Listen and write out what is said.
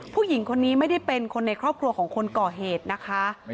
ผู้หญิงคนนี้ไม่ได้เป็นคนในครอบครัวของคนก่อเหตุนะคะ